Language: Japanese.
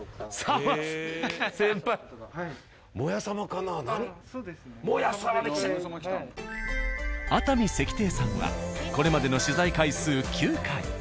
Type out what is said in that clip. あたみ石亭さんはこれまでの取材回数９回。